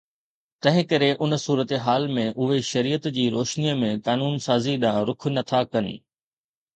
تنهن ڪري ان صورتحال ۾ اهي شريعت جي روشنيءَ ۾ قانون سازي ڏانهن رخ نه ٿا ڪن